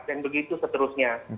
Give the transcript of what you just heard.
dan begitu seterusnya